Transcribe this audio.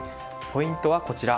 ポイントはこちら。